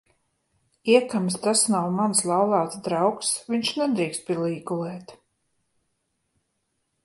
Iekams tas nav mans laulāts draugs, viņš nedrīkst pilī gulēt.